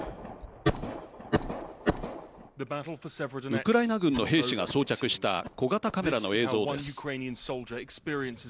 ウクライナ軍の兵士が装着した小型カメラの映像です。